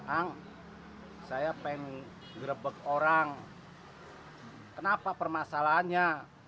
ang saya pengen grebek orang kenapa permasalahannya